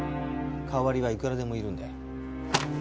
代わりはいくらでもいるんで。